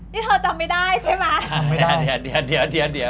เธอจำไม่ได้เเหละ